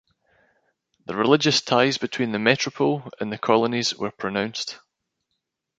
The religious ties between the metropole and the colonies were pronounced.